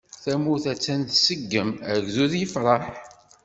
Tamurt attan tseggem, agdud yefreḥ.